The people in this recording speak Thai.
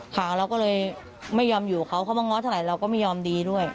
เราก็เลยไม่ยอมอยู่เขาเขามาง้อเท่าไหร่เราก็ไม่ยอมดีด้วย